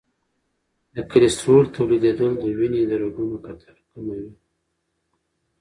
د کلسترول تولیدېدل د وینې د رګونو قطر کموي.